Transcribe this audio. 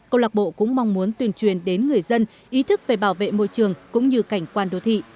câu lạc bộ cũng mong muốn tuyên truyền đến người dân ý thức về bảo vệ môi trường cũng như cảnh quan đô thị